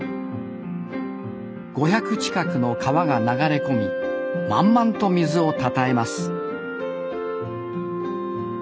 ５００近くの川が流れ込み満々と水をたたえます